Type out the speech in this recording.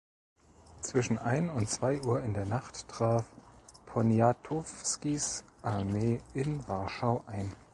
Zwischen ein und zwei Uhr in der Nacht traf Poniatowskis Armee in Warschau ein.